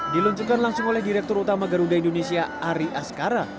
diluncurkan langsung oleh direktur utama garuda indonesia ari askara